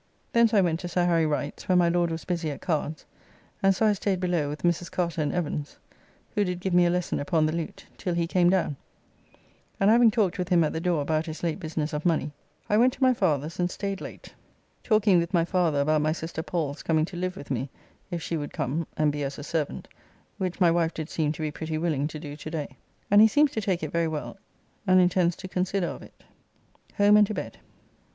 Thence I went to Sir Harry Wright's, where my Lord was busy at cards, and so I staid below with Mrs. Carter and Evans (who did give me a lesson upon the lute), till he came down, and having talked with him at the door about his late business of money, I went to my father's and staid late talking with my father about my sister Pall's coming to live with me if she would come and be as a servant (which my wife did seem to be pretty willing to do to day), and he seems to take it very well, and intends to consider of it. Home and to bed.